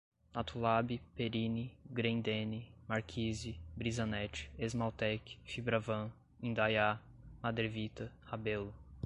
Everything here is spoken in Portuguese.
Natulab, Perini, Grendene, Marquise, Brisanet, Esmaltec, Fibravan, Indaiá, Madrevita, Rabelo